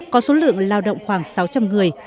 có số lượng lao động khoảng sáu trăm linh người